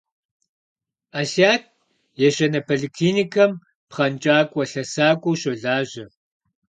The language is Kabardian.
Асият ещанэ поликлиникэм пхъэнкӏакӏуэ-лъэсакӏуэу щолажьэ.